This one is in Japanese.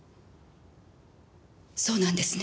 そうなんですね？